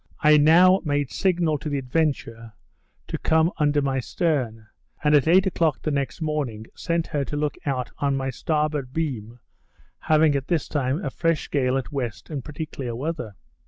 I now made signal to the Adventure to come under my stern; and at eight o'clock the next morning sent her to look out on my starboard beam, having at this time a fresh gale at west and pretty clear weather.